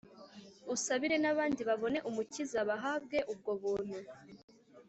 Usabire n’abandi babone umukiza bahabwe ubwo buntu